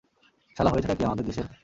শালা, হয়েছেটা কী আমাদের দেশের?